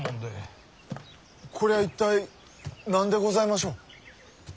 こりゃ一体何でございましょう？